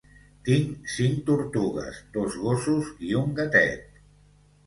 Tinc cinc tortugues, dos gossos i un gatet